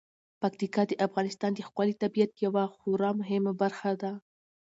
پکتیکا د افغانستان د ښکلي طبیعت یوه خورا مهمه برخه ده.